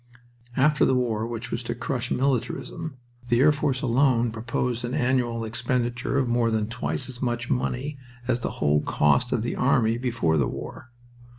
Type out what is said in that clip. After the war which was to crush militarism the air force alone proposed an annual expenditure of more than twice as much money as the whole cost of the army before the war.